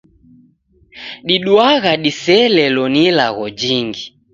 Diduagha diseelelo ni ilagho jingi.